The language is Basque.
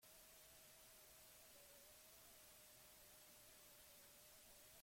Irakaslearen sentimenduak ederki asko laburbildu ditu.